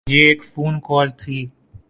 یہ ایک phone call تھی۔